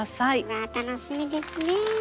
わあ楽しみですね。